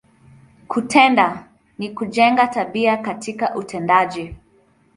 Kutenda, ni kujenga, tabia katika utendaji.